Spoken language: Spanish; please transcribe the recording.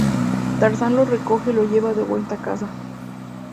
Tarzán lo recoge y lo lleva de vuelta a casa.